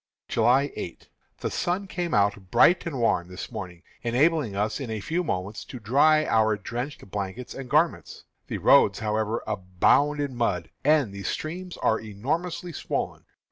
July 8. The sun came out bright and warm this morning, enabling us in a few moments to dry our drenched blankets and garments. The roads, however, abound in mud, and the streams are enormously swollen.